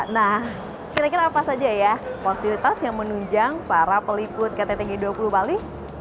nah kira kira apa saja ya fasilitas yang menunjang para peliput kttg dua puluh bali